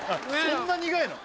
そんな苦いの？